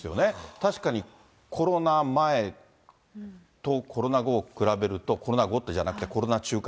確かに、コロナ前とコロナ後を比べると、コロナ後じゃなくて、コロナ中か。